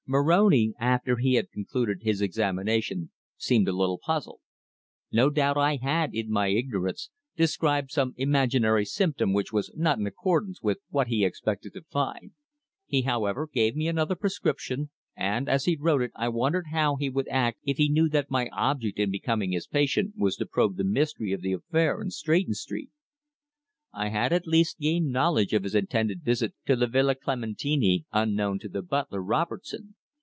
Moroni, after he had concluded his examination, seemed a little puzzled. No doubt I had, in my ignorance, described some imaginary symptom which was not in accordance with what he expected to find. He, however, gave me another prescription, and as he wrote it I wondered how he would act if he knew that my object in becoming his patient was to probe the mystery of the affair in Stretton Street. I had at least gained knowledge of his intended visit to the Villa Clementini unknown to the butler, Robertson.